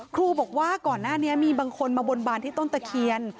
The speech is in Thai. ครูบอกว่าก่อนหน้านี้มีบางคนมาบนบานที่ต้นตะเคียน